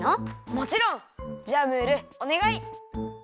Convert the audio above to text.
もちろん！じゃあムールおねがい！